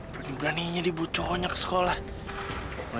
berani beraninya dibawa cowoknya ke sekolah